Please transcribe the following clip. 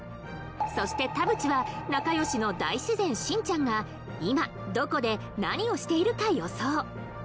そして田渕は仲良しの大自然しんちゃんが今どこで何をしているか予想